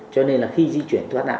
cho nên là khi di chuyển thoát nạn